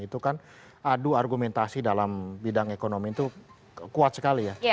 itu kan adu argumentasi dalam bidang ekonomi itu kuat sekali ya